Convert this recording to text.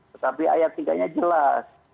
tetapi ayat tiga nya jelas